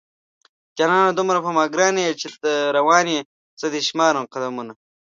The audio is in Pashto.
جانانه دومره په ما گران يې چې ته روان يې زه دې شمارم قدمونه